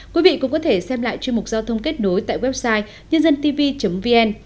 quý vị cũng có thể xem lại chuyên mục giao thông kết nối tại website nhândântv vn